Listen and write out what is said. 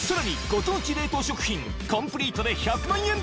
ご当地冷凍食品コンプリートで１００万円！